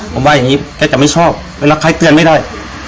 ผมว่าอย่างนี้แต่ไม่ชอบเวลาใครเตือนไม่ได้